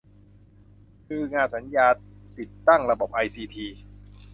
คืองานสัญญาติดตั้งระบบไอซีที